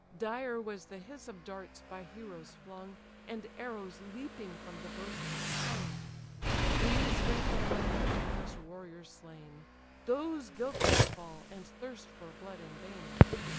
Dire was the hiss of darts, by heroes flung, And arrows leaping from the bow string sung; These drink the life of generous warriors slain: Those guiltless fall, and thirst for blood in vain.